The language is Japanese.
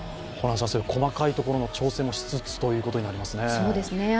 細かいところの調整もしつつということになりますね。